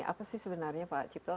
apa sih sebenarnya pak cipto